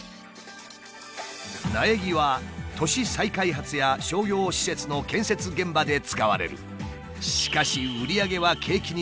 苗木は都市再開発や商業施設の建設現場で使われる。